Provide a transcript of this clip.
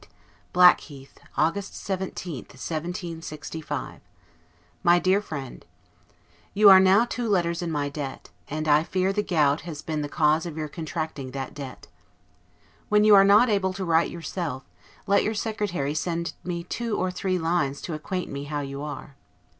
God bless you! LETTER CCLXXVIII BLACKHEATH, August 17, 1765 MY DEAR FRIEND: You are now two letters in my debt; and I fear the gout has been the cause of your contracting that debt. When you are not able to write yourself, let your Secretary send me two or three lines to acquaint me how you are.